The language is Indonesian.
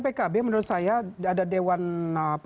pkb menurut saya ada dewan